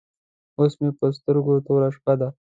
اوس مې پر سترګو توره شپه ده.